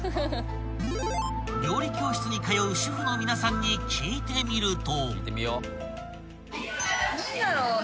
［料理教室に通う主婦の皆さんに聞いてみると］